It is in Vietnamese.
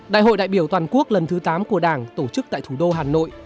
đại hội đại biểu toàn quốc lần thứ tám của đảng tổ chức tại thủ đô hà nội